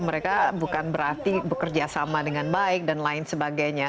mereka bukan berarti bekerja sama dengan baik dan lain sebagainya